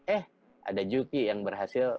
eh ada juki yang berhasil